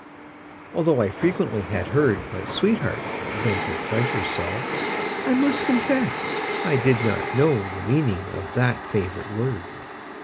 Although I frequently had heard My sweetheart vent her pleasure so, I must confess I did not know The meaning of that favorite word.